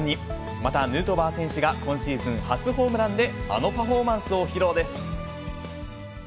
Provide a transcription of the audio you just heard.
またヌートバー選手が、今シーズン初ホームランで、あのパフォーマンスを披露です。